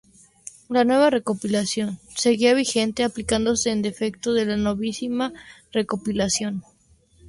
La "Nueva recopilación" seguía vigente aplicándose en defecto de la "Novísima Recopilación".